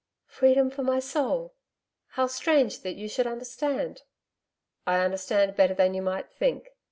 'Freedom for my soul! How strange that you should understand.' 'I understand better than you might think.